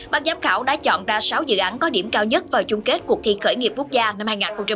bác giám khảo đã chọn ra sáu dự án có điểm cao nhất vào chung kết cuộc thi khởi nghiệp quốc gia năm hai nghìn một mươi chín